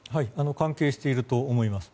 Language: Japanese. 関係していると思います。